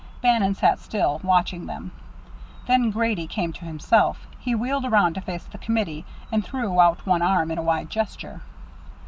Bannon sat still, watching them. Then Grady came to himself. He wheeled around to face the committee, and threw out one arm in a wide gesture.